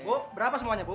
bu berapa semuanya bu